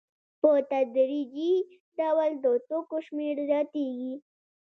په تدریجي ډول د توکو شمېر زیاتېږي